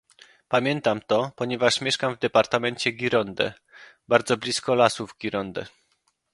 Pamiętam to, ponieważ mieszkam w departamencie Gironde, bardzo blisko lasów Gironde